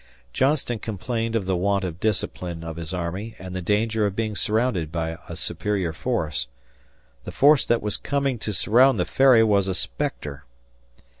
Johnston complained of the want of discipline of his army and the danger of being surrounded by a superior force. The force that was coming to surround the Ferry was a spectre.